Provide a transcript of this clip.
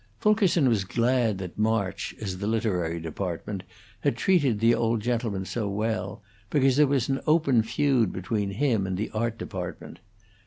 Fulkerson was glad that March, as the literary department, had treated the old gentleman so well, because there was an open feud between him and the art department.